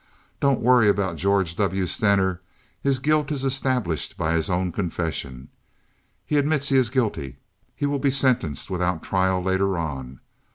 Don't worry about George W. Stener. His guilt is established by his own confession. He admits he is guilty. He will be sentenced without trial later on.